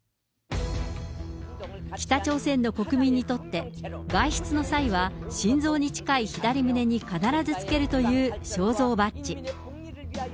北朝鮮の国民にとって、外出の際は心臓に近い左胸に必ずつけるという肖像バッジ。